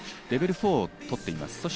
レベル４を取っています。